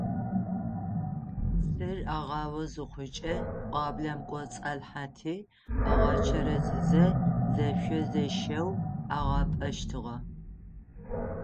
Цыр агъао зыхъукӏэ, пӏуаблэм кӏоцӏалъхьэти, агъэчэрэзызэ зэшъо-зэщэу агъапӏэщтыгъэ.